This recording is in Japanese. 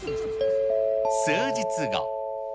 数日後。